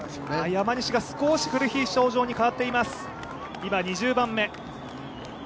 山西が少し苦しい表情に変わっています、今、２０番目。